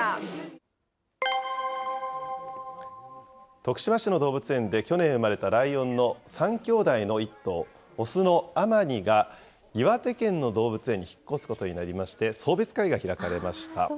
徳島市の動物園で、去年生まれたライオンの３きょうだいの１頭、雄のアマニが、岩手県の動物園に引っ越すことになりまして、送別会が開かれました。